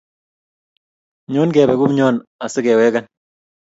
Nyon kebe kobyon asi kewegen